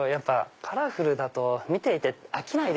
カラフルだと見ていて飽きない。